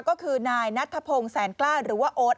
ก็คือนายนัทธพงศ์แสนกล้าหรือว่าโอ๊ต